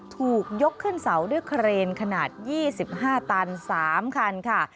ถูกยกขึ้นเสาด้วยเครนขนาด๒๕ตัน๓คันค่ะ